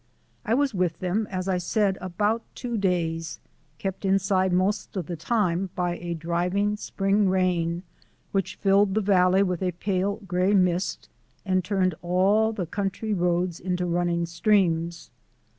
I was with them, as I said, about two days kept inside most of the time by a driving spring rain which filled the valley with a pale gray mist and turned all the country roads into running streams.